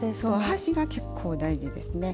端が結構大事ですね。